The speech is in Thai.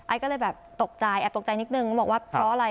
ก็เลยแบบตกใจแอบตกใจนิดนึงบอกว่าเพราะอะไร